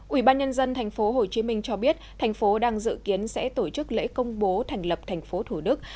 ủy ban nhân dân tp hcm cho biết thành phố đang dự kiến sẽ tổ chức lễ công bố thành lập tp thủ đức